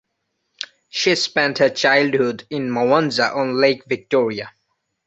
She spent her childhood in Mwanza on Lake Victoria.